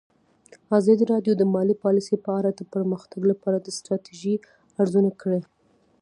ازادي راډیو د مالي پالیسي په اړه د پرمختګ لپاره د ستراتیژۍ ارزونه کړې.